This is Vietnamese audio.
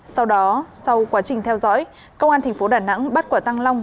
sau đó sau quá trình theo dõi công an thành phố đà nẵng bắt quả tăng long